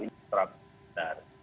ini secara benar